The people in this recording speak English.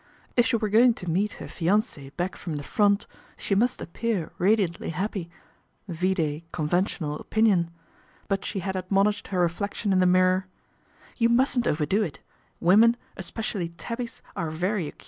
If she were going to meet her fiance" back from the Front, she must appear radiantly happy, vide conventional opinion. But she had admonished her reflection in the mirror, " You mustn't overdo it. Women, es pecially tabbies, are very acute."